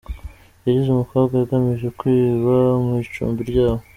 Yigize umukobwa agamije kwiba mu icumbi ryabo